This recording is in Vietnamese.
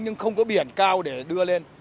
nhưng không có biển cao để đưa lên